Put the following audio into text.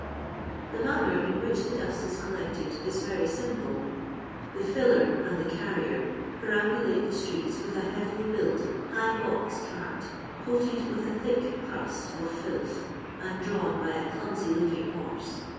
The manner In which the dust is collected is very simple. The "filler" and the "carrier" perambulate the streets with a heavily built high box cart, which is mostly coated with a thick crust of filth, and drawn by a clumsy looking horse.